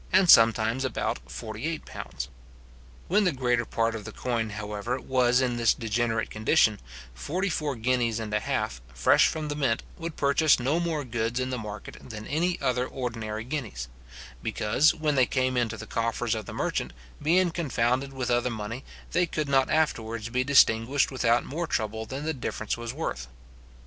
and sometimes about £48. When the greater part of the coin, however, was in this degenerate condition, forty four guineas and a half, fresh from the mint, would purchase no more goods in the market than any other ordinary guineas; because, when they came into the coffers of the merchant, being confounded with other money, they could not afterwards be distinguished without more trouble than the difference was worth.